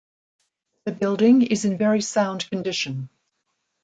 The building is in very sound condition.